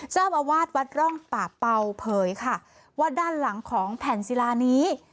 เจ้าอาวาสวัดร่องป่าเป่าเผยค่ะว่าด้านหลังของแผ่นศิลานี้